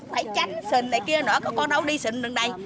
phải tránh xình này kia nữa các con đâu đi xình đằng đây